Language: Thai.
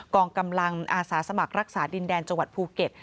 กองกำลังอาสาสมัครรักษาดินแดนจังหวัดภูเก็ต